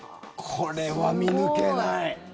これは見抜けない。